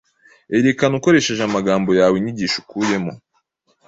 Erekana ukoresheje amagambo yawe inyigisho ukuyemo